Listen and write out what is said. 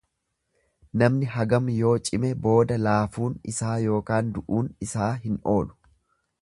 Namni hagam yoo cime booda laafuun isaa ykn du'uun isaa hin oolu.